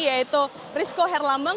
yaitu rizko herlambang